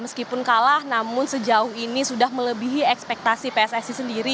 meskipun kalah namun sejauh ini sudah melebihi ekspektasi pssi sendiri